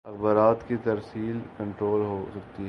اخبارات کی ترسیل کنٹرول ہو سکتی ہے۔